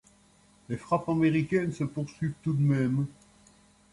Les frappes américaines se poursuivent tout de même.